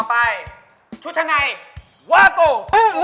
ต่อไปชุดชะไงว่ากู